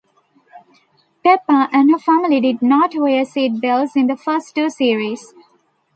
Peppa and her family did not wear seat belts in the first two series.